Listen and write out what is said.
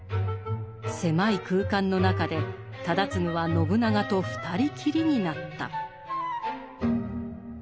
狭い空間の中で忠次は信長と２人きりになった。